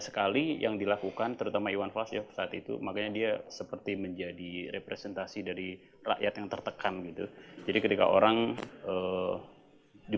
sekali yang dilakukan terutama iwan halls ya saat itu makanya dia seperti menjadi representasi dari rakyat yang terkenal di dalam karyanya